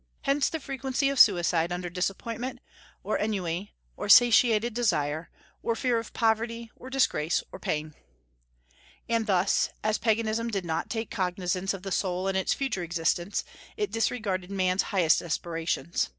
Hence the frequency of suicide under disappointment, or ennui, or satiated desire, or fear of poverty, or disgrace, or pain. And thus, as Paganism did not take cognizance of the soul in its future existence, it disregarded man's highest aspirations.